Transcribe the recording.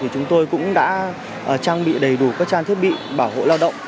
chúng tôi cũng đã trang bị đầy đủ các trang thiết bị bảo hộ lao động